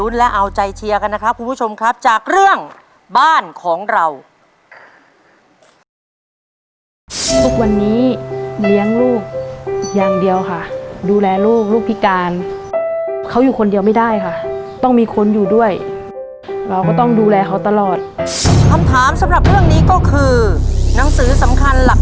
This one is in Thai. เพราะว่ารัศมีบนตราสัญลักษณ์โรงเรียนเทศบาลวัดป้อมแก้วมีทั้งหมด๑๗แชร์ครับ